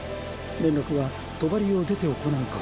連絡は帳を出て行うか